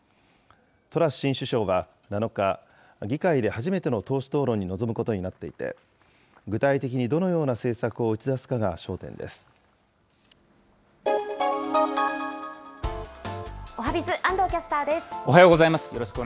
トラス新首相は７日、議会で初めての党首討論に臨むことになっていて、具体的にどのよおはＢｉｚ、おはようございます。